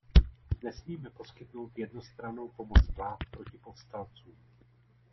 Nesmíme poskytnout jednostrannou pomoc vlád proti povstalcům.